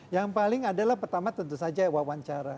yang paling adalah pertama tentu saja wawancara